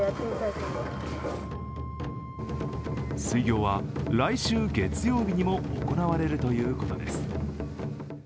水行は、来週月曜日にも行われるということです。